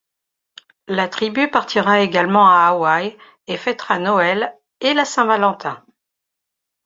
La tribu partira également à Hawaï et fêtera Noël et la Saint Valentin.